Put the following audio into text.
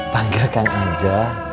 panggil akang aja